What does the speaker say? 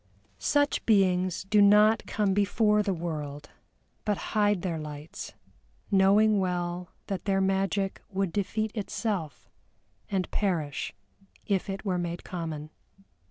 Such beings do not come before the world, but hide their lights, knowing well that their magic would defeat itself, and perish if it were made common.